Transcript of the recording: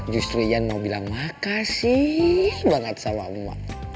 justru yan mau bilang makasih banget sama emak